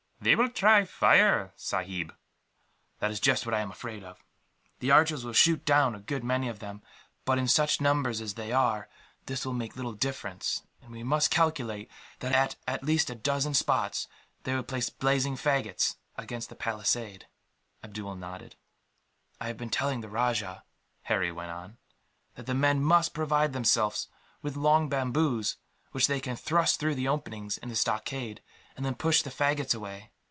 "They will try fire, sahib." "That is just what I am afraid of. The archers will shoot down a good many of them, but in such numbers as they are, this will make little difference; and we must calculate that, at at least a dozen spots, they will place blazing faggots against the palisade." Abdool nodded. "I have been telling the rajah," Harry went on, "that the men must provide themselves with long bamboos, which they can thrust through the openings in the stockade, and push the faggots away.